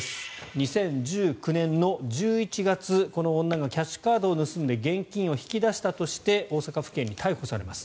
２０１９年１１月、この女がキャッシュカードを盗んで現金を引き出したとして大阪府警に逮捕されます。